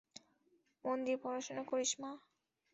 মন দিয়ে পড়াশোনা করিস, মা।